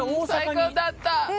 最高だった。